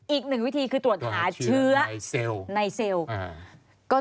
อีก๑วิธีคือตรวจหาเชื้อนายเซลล์